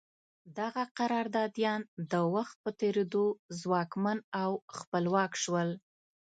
دغه قراردادیان د وخت په تېرېدو ځواکمن او خپلواک شول.